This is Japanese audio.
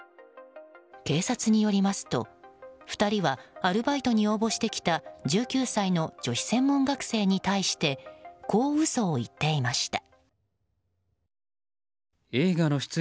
警察によりますと、２人はアルバイトに応募してきた１９歳の女子専門学生に対してこう嘘を言っていました。